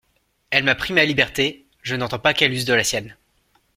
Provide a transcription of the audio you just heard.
Elle m'a pris ma liberté, je n'entends pas qu'elle use de la sienne.